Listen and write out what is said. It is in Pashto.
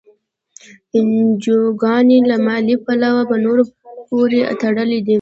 انجوګانې له مالي پلوه په نورو پورې تړلي دي.